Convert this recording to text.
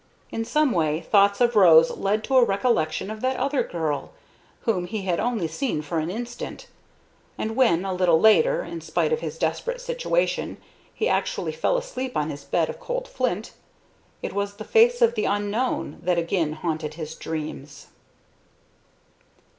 In some way thoughts of Rose led to a recollection of that other girl, whom he had only seen for an instant; and when, a little later, in spite of his desperate situation, he actually fell asleep on his bed of cold flint, it was the face of the unknown that again haunted his dreams.